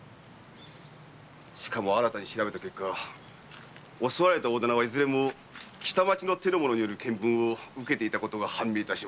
しかも新たに調べた結果襲われた大店はいずれも北町の検分を受けていたことが判明いたしました。